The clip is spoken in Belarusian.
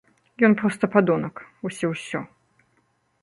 Ён проста падонак, вось і ўсё.